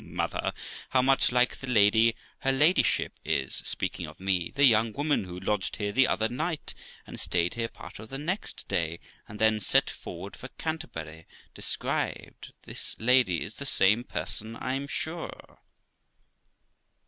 mother, how much like the lady her ladyship is,' speaking of me, ' the young woman who lodged here the other night, and stayed here part of the next day, and then set forward for Canterbury, described. The lady is the same person, I'm sure.'